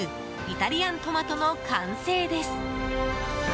イタリアントマトの完成です。